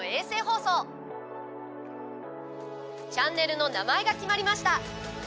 チャンネルの名前が決まりました。